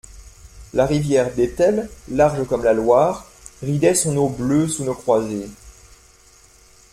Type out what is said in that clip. La rivière d'Etel, large comme la Loire, ridait son eau bleue sous nos croisées.